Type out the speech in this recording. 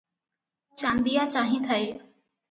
Chandia ଚାହିଁଥାଏ ।